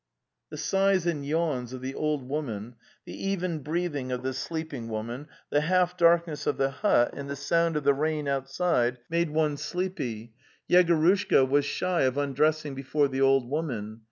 The sighs and yawns of the old woman, the even breathing of the sleeping woman, the half darkness of the hut, and the sound of the rain outside, made one sleepy. Yegorushka was shy of undressing be fore the old woman.